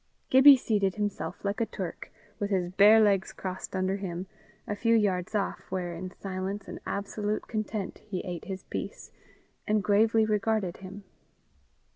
Gibbie seated himself, like a Turk, with his bare legs crossed under him, a few yards off, where, in silence and absolute content, he ate his piece, and gravely regarded him.